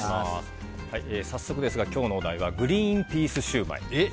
早速ですが、今日のお題はグリーンピースシューマイです。